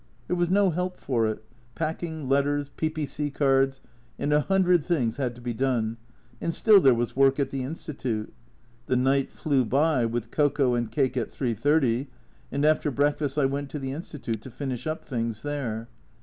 There was no help for it packing, letters, P.P.C. cards, and a hundred things had to be done, and still there was work at the Institute. The night flew by, with cocoa and cake at 3.30, and after breakfast I went to the Institute to finish up things there.